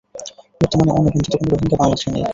বর্তমানে অনিবন্ধিত কোনো রোহিঙ্গা বাংলাদেশে নেই।